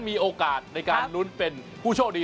มีโอกาสได้การรุ้นเป็นพูดโชคดี